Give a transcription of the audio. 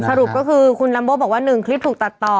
สรุปก็คือคุณลัมโบ้บอกว่า๑คลิปถูกตัดต่อ